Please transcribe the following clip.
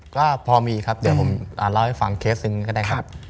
ก็พอมีครับเดี๋ยวผมเล่าให้ฟังเคสหนึ่งก็ได้ครับ